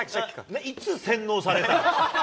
いつ洗脳されたの？